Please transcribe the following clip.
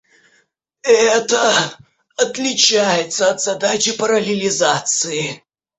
Это отличается от задачи параллелизации